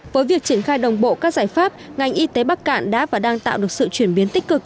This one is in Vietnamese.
với việc triển khai đồng bộ các giải pháp ngành y tế bắc cạn đã và đang tạo được sự chuyển biến tích cực